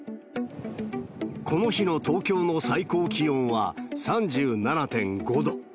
この日の東京の最高気温は３７．５度。